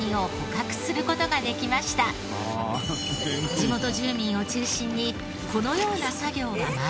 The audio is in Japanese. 地元住民を中心にこのような作業は毎週２回。